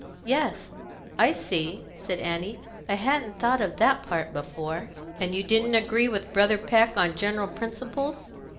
"Yes, I see," said Annie. "I hadn't thought of that part before." "And you didn't agree with Brother Peck on general principles?